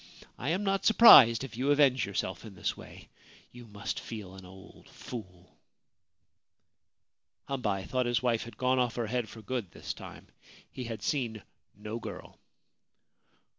I am not surprised if you avenge yourself in this way — you must feel an old fool !' Hambei thought his wife had gone off her head for good this time. He had seen no girl.